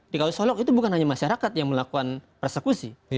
di kawasan solok itu bukan hanya masyarakat yang melakukan persekusi